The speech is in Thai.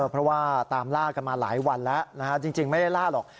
เพราะว่าตามล่ากันมาหลายวันแล้วจริงไม่ได้ล่าหรอก